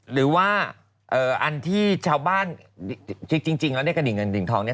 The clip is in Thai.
หรือว่าอันที่ชาวบ้านจริงแล้วเนี่ยกระดิ่งเงินดิ่งทองเนี่ย